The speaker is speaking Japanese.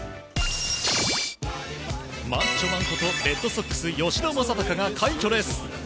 マッチョマンことレッドソックス、吉田正尚が快挙です。